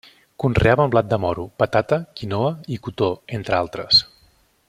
Conreaven blat de moro, patata, quinoa i cotó, entre altres.